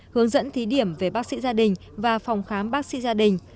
hướng dẫn thí điểm về bác sĩ gia đình và phòng khám bác sĩ gia đình